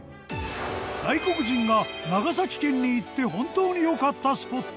外国人が長崎県に行って本当に良かったスポット。